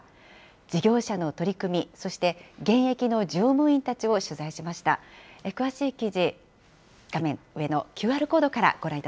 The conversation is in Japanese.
事業者の取り組み、そして現役の乗務員たちを取材しました。